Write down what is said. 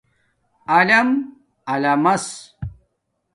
الَم اَلَمس